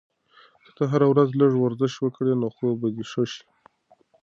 که ته هره ورځ لږ ورزش وکړې، نو خوب به دې ښه شي.